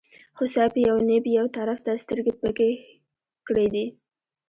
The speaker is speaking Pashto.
هوسۍ په یوه نېب یوه طرف ته سترګې بکې کړې دي.